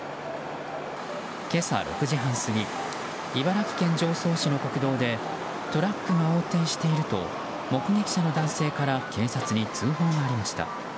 今朝６時半過ぎ茨城県常総市の国道でトラックが横転していると目撃者の男性から警察に通報がありました。